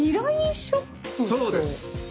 そうです！